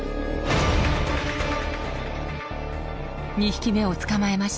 ２匹目を捕まえました。